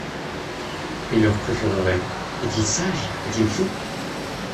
Et leur préférerait — est-il sage ? est-il fou ?—